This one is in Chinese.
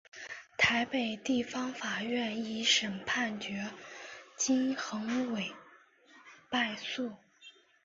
台北地方法院一审判决金恒炜败诉。